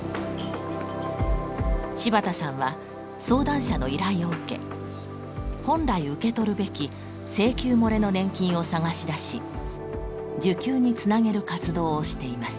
柴田さんは相談者の依頼を受け本来受け取るべき「請求もれの年金」を探し出し受給につなげる活動をしています。